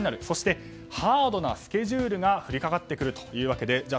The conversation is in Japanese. そしてハードなスケジュールが降りかかってくるというわけです。